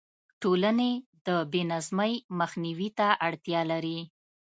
ټولنې د بې نظمۍ مخنیوي ته اړتیا لري.